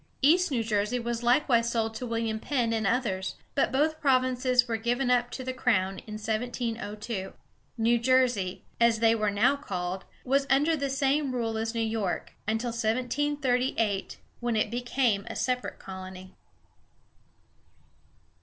East New Jersey was likewise sold to William Penn and others; but both provinces were given up to the crown in 1702. New Jersey as they were now called was under the same rule as New York until 1738, when it became a separate colony.